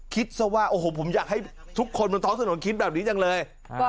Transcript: ซะว่าโอ้โหผมอยากให้ทุกคนบนท้องถนนคิดแบบนี้จังเลย